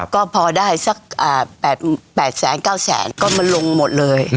ก็พอได้สัก๘๙แสนก็มันลงหมดเลย